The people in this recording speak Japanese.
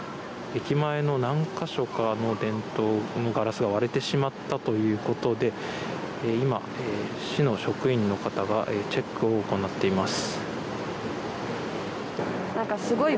駅前の何か所かの電灯のガラスが割れてしまったということで今、市の職員の方がチェックを行っています。